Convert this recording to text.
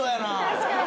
確かに。